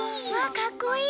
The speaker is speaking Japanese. かっこいい！